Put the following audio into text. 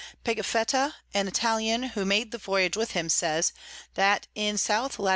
Pigafetta an Italian, who made the Voyage with him, says that in S. Lat.